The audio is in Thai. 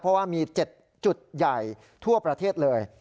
เพราะว่ามี๗จุดใหญ่ทั่วประเทศเลย